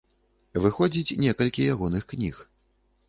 Выходзіць некалькі ягоных кніг.